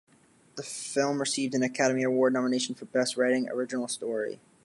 The film received an Academy Award nomination for Best Writing, Original Story.